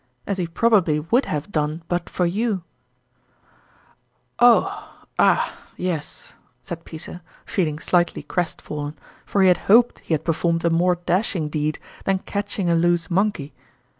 as he probably would have done but for you !"" Oh, ah, yes !" said Peter, feeling slightly crest fallen, for he had hoped he had per formed a more dashing deed than catching a loose monkey.